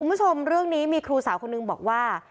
คุณผู้ชมเรื่องนี้มีครูสาวคนนึงบอกว่า